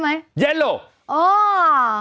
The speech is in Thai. มิชุนา